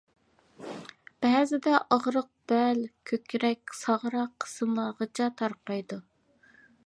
بەزىدە ئاغرىق بەل، كۆكرەك، ساغرا قىسىملارغىچە تارقايدۇ.